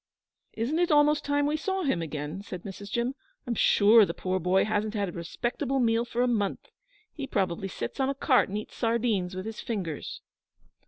'Isn't it almost time we saw him again?' said Mrs. Jim. 'I'm sure the poor boy hasn't had a respectable meal for a month. He probably sits on a cart and eats sardines with his fingers.'